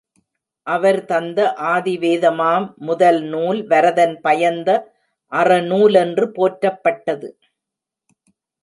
அவர் தந்த ஆதிவேதமாம் முதல் நூல் வரதன் பயந்த அறநூலென்று போற்றப்பட்டது.